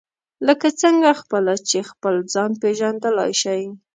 لکه څنګه خپله چې خپل ځان پېژندلای شئ.